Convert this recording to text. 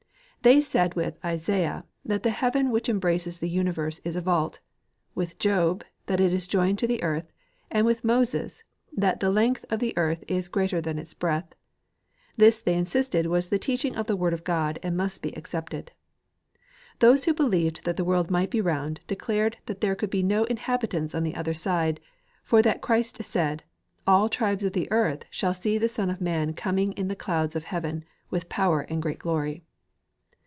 They said with Isaiah, that the heaven which embraces the universe is a vault ; with Job, that it is joined to the earth ; and Avith Moses, that the length of the earth is greater than the breadth. This they insisted was the teaching of the word of God and must be accepted. Those who believed that the world might be round declared that there could be no inhabitants on the other side, for that Christ said "All tribes of the earth shall see the Son of Man coming in the clouds of heaven with power and great glory."